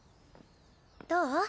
どう？